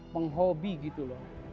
penghobi gitu loh